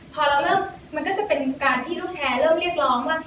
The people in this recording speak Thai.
พอเราเริ่มมันก็จะเป็นการที่ลูกแชร์เริ่มเรียกร้องว่า